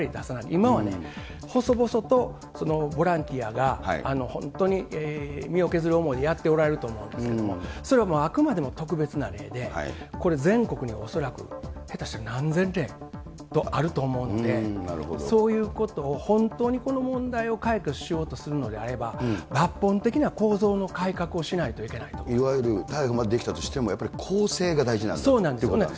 今はね、細々とボランティアが、本当に身を削る思いでやっておられると思うんですけれども、それはあくまでも特別な例で、これ、全国に恐らくへたしたら何千例とあると思うんで、そういうことを本当にこの問題を解決しようとするのであれば、抜本的な構造の改いわゆる逮捕までできたとしても、やっぱり、更生が大事なんだということなんですね。